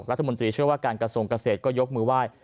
รัฐมนตรีเชื่อว่าการกระทรวงเกษตรก็ยกมือไหว้